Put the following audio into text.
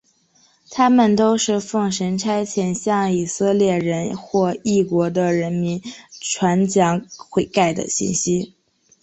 他们都是奉神差遣向以色列人或异国的人民传讲悔改的信息。